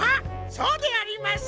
そうであります！